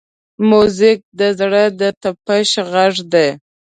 موزیک د زړه د طپش غږ دی.